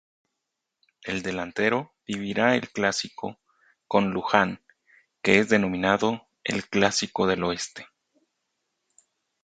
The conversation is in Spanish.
El delantero vivirá el clásico con Lujan que es denominado el "Clásico del Oeste"